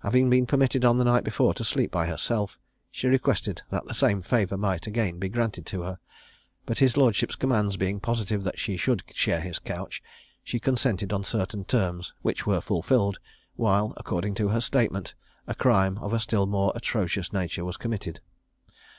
Having been permitted on the night before to sleep by herself, she requested that the same favour might be again granted to her; but his lordship's commands being positive that she should share his couch, she consented on certain terms, which were fulfilled, while, according to her statement, a crime of a still more atrocious nature was committed.